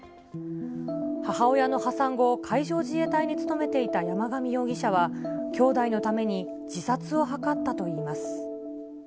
母親の破産後、海上自衛隊に勤めていた山上容疑者は、きょうだいのために自殺を図ったといいます。